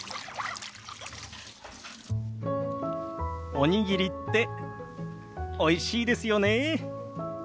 おにぎりっておいしいですよね。